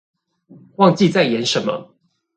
忘記在演什麼